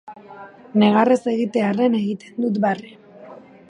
Negar ez egitearren egiten dut barre.